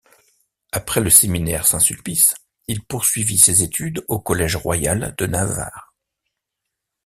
Après le séminaire Saint-Sulpice, il poursuivit ses études au collège royal de Navarre.